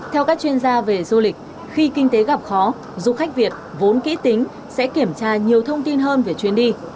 theo các chuyên gia về du lịch khi kinh tế gặp khó du khách việt vốn kỹ tính sẽ kiểm tra nhiều thông tin hơn về chuyến đi